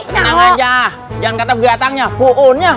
jangan aja jangan kata begatangnya pohonnya